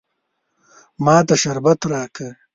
ما ته شربت راکه.